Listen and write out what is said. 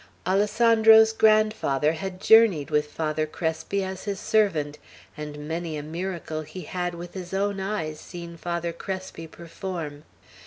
Alessandro's grandfather had journeyed with Father Crespi as his servant, and many a miracle he had with his own eyes seen Father Crespi perform.